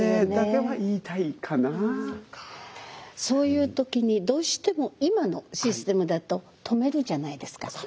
そういう時にどうしても今のシステムだと止めるじゃないですか。